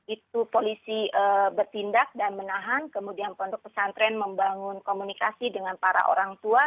itu polisi bertindak dan menahan kemudian pondok pesantren membangun komunikasi dengan para orang tua